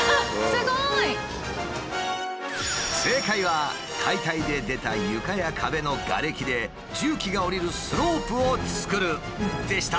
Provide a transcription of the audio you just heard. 正解は「解体で出た床や壁のガレキで重機が降りるスロープを作る」でした。